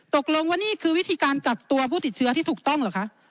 ตกลงว่านี่คือวิธีการกักตัวผู้ติดเชื้อที่ถูกต้องเหรอคะ